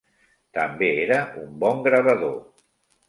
També era un bon gravador.